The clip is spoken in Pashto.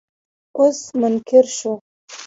اوس منکر شو.